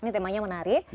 ini temanya menarik